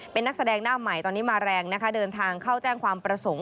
เป็นนักแสดงหน้าใหม่ตอนนี้มาแรงนะคะเดินทางเข้าแจ้งความประสงค์